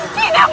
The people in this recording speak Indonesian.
untuk ibu dami